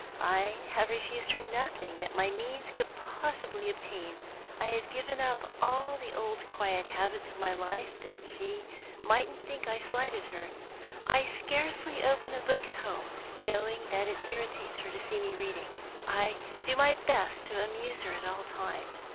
I have refused her nothing that my means could possibly obtain. I have given up all the old quiet habits of my life that she mightn't think I slighted her; I scarcely ever open a book at home, knowing that it irritates her to see me reading; I do my best to amuse her at all times.